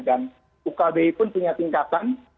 dan ugbi pun punya tingkatan